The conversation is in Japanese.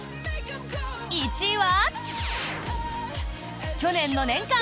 １位は。